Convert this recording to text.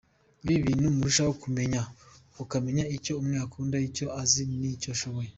Ibi bituma murushaho kumenyana, ukamenya icyo umwe akunda, icyo azi n’icyo ashoboye.